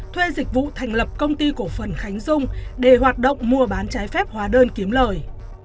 thuê dịch vụ thành lập công ty cổ phần khánh dung để hoạt động mua bán trái phép hóa đơn kiếm lời